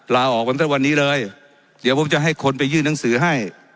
ลาออกมาตั้งแต่วันนี้เลยเดี๋ยวผมจะให้คนไปยื่นหนังสือให้